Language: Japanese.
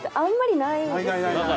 ない。